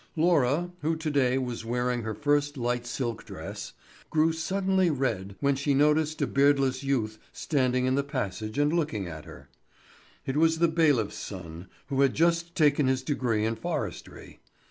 Laura, who to day was wearing her first light silk dress, grew suddenly red when she noticed a beardless youth standing in the passage and looking at her. It was the bailiff's son, who had just taken his degree in forestry.